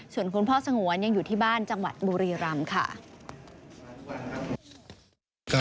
ส่วนคุณพ่อสงวนยังอยู่ที่บ้านจังหวัดบุรีรำค่ะ